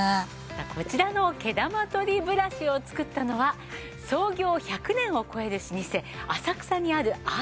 こちらの毛玉取りブラシを作ったのは創業１００年を超える老舗浅草にあるアートブラシです。